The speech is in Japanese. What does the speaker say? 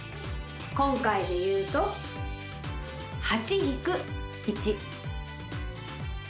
今回でいうと８引く１。